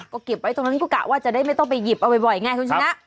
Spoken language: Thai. ก็เก็บไว้ตรงนั้นก็กะว่าจะได้ไม่ต้องไปหยิบเอาบ่อยไงคุณชนะ